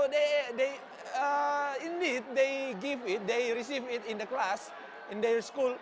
dan saya mengajar tentang komputer tapi saya tidak tahu